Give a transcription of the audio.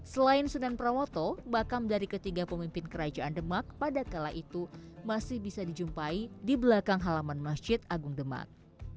selain sunan pramoto makam dari ketiga pemimpin kerajaan demak pada kala itu masih bisa dijumpai di belakang halaman masjid agung demak